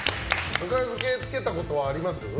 ぬか漬け漬けたことはありますか？